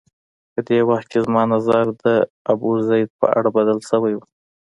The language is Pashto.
په دې وخت کې زما نظر د ابوزید په اړه بدل شوی و.